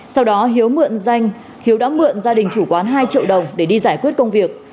sau đó hiếu đã mượn gia đình chủ quán hai triệu đồng để đi giải quyết công việc